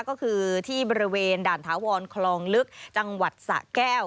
ก็คือที่บริเวณด่านถาวรคลองลึกจังหวัดสะแก้ว